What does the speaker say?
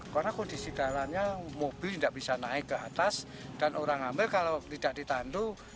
karena kondisi jalannya mobil tidak bisa naik ke atas dan orang ambil kalau tidak ditandu